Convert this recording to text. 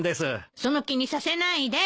その気にさせないで。